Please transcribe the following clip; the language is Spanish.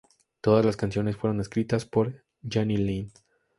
Todas las canciones fueron escritas por Jani Lane.